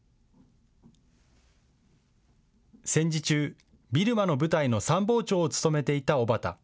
戦時中、ビルマの部隊の参謀長を務めていた小畑。